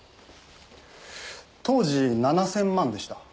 当時７０００万でした。